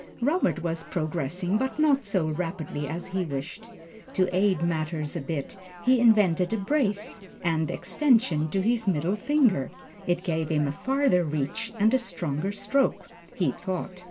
Robert was progressing, but not so rapidly as he wished. To aid matters a bit, he invented a brace and extension to his middle finger. It gave him a farther reach and a stronger stroke, he thought.